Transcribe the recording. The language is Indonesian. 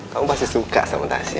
kamu pasti suka sama nasi